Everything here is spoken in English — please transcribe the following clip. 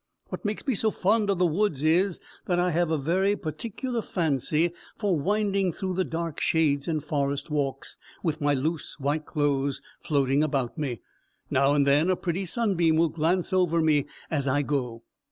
What makes me so fond of the woods is, that I have a very particular fancy for winding through the dark shades and forest walks, with my loose white clothes floating about me; now and then a pretty sunbeam will glance over me as I go."